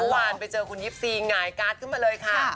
เมื่อวานไปเจอคุณยิบซีไหงายกัดขึ้นมาเลยค่ะ